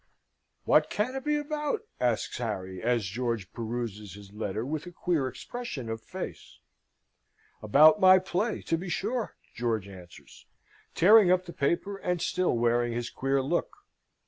"What can it be about?" asks Harry, as George peruses his letter with a queer expression of face. "About my play, to be sure," George answers, tearing up the paper, and still wearing his queer look.